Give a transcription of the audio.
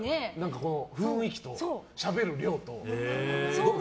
雰囲気と、しゃべる量と。